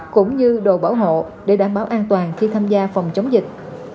cũng như đồ bảo hộ để đảm bảo an toàn khi tham gia phòng chống dịch